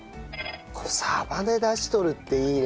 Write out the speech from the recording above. サバで出汁取るっていいね。